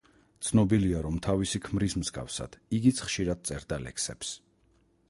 ცნობილია, რომ თავისი ქმრის მსგავსად, იგიც ხშირად წერდა ლექსებს.